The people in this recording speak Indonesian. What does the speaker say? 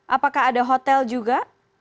apakah ada hotel juga